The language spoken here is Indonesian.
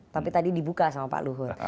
tapi tadi dibuka sama pak luhut